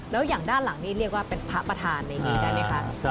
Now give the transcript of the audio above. แล้วอย่างด้านหลังนี่เรียกว่าเป็นพระปฐานนะครับ